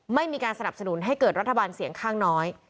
ไม่มีการสนับสนุนให้เกิดรัฐบาลเสียงข้างน้อย